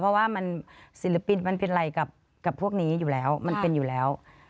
เพราะว่ามันศิลปินมันเป็นอะไรกับพวกนี้อยู่แล้วมันเป็นอยู่แล้ว